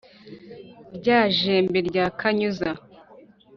rya jembe rya kanyuza